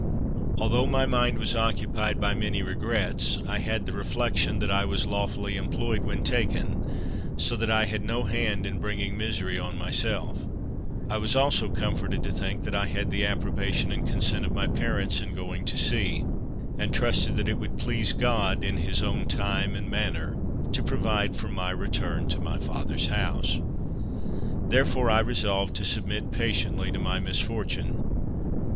Although my mind was occupied by many regrets, I had the reflection that I was lawfully employed when taken, so that I had no hand in bringing misery on myself: I was also comforted to think that I had the approbation and consent of my parents in going to sea, and trusted that it would please God, in his own time and manner, to provide for my return to my father's house. Therefore, I resolved to submit patiently to my misfortune.